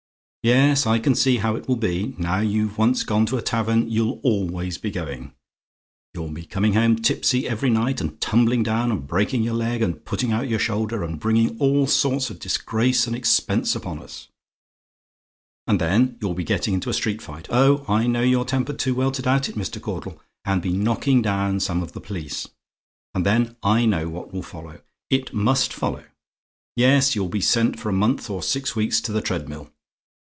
"Yes, I see how it will be. Now you've once gone to a tavern, you'll always be going. You'll be coming home tipsy every night; and tumbling down and breaking your leg, and putting out your shoulder; and bringing all sorts of disgrace and expense upon us. And then you'll be getting into a street fight oh! I know your temper too well to doubt it, Mr. Caudle and be knocking down some of the police. And then I know what will follow. It MUST follow. Yes, you'll be sent for a month or six weeks to the treadmill.